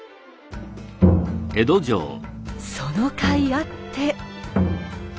そのかいあって。